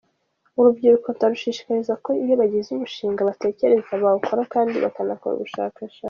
Urubyiruko ndarushishikariza ko iyo bagize umushinga batekereza bawukora kandi bakanakora ubushakashatsi.